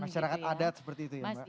masyarakat adat seperti itu ya mbak